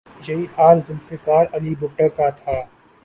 یہی حال ذوالفقار علی بھٹو کا تھا۔